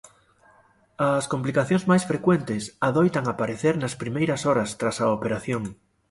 As complicacións máis frecuentes adoitan aparecer nas primeiras horas tras a operación.